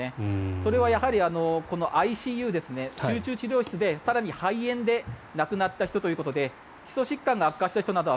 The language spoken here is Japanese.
それはＩＣＵ・集中治療室で更に肺炎で亡くなったということで基礎疾患の悪化した人などは